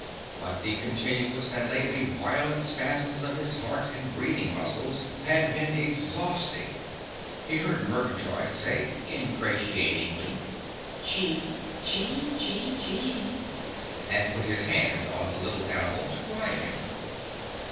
But the continuous, and lately violent, spasms of his heart and breathing muscles had been exhausting. He heard Murgatroyd say ingratiatingly, "Chee chee chee chee," and put his hand on the little animal to quiet him.